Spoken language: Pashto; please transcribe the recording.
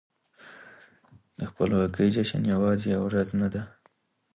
د خپلواکۍ جشن يوازې يوه ورځ نه ده.